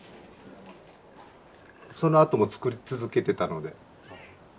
そのあともつくり続けてたので。